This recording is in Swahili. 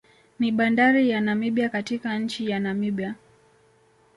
Ni bandari ya Namibia katika nchi ya Namibia